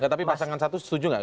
tapi pasangan satu setuju nggak